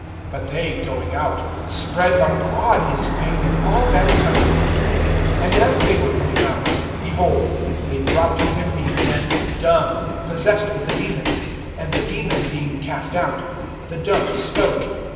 (31)But they, going out, spread abroad his fame in all that country. (32)And as they were going out, behold, they brought to him a man dumb, possessed with a demon. (33)And the demon being cast out, the dumb spoke.